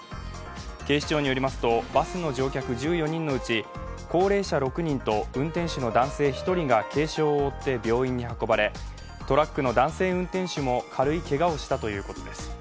警視庁によりますとバスの乗客１４人のうち、高齢者６人と運転手の男性１人が軽傷を負って病院に運ばれトラックの男性運転手も軽いけがをしたということです。